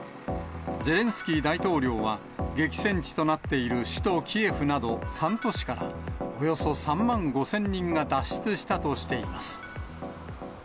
ゼレンスキー大統領は、激戦地となっている首都キエフなど３都市から、およそ３万５０００人が脱出したとしています。